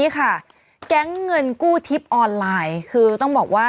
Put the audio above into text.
แก๊งเงินกู้ทิพย์ออนไลน์คือต้องบอกว่า